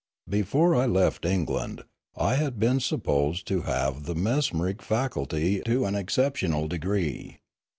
Before I left England, I had been supposed to have the mesmeric faculty to an excep tional degree.